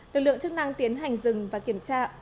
lực lượng chức năng tiến hành dừng và kiểm tra